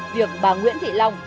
việc bà nguyễn thị long